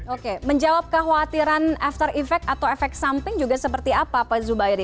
oke menjawab kekhawatiran after effect atau efek samping juga seperti apa pak zubairi